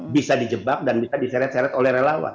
bisa dijebak dan bisa diseret seret oleh relawan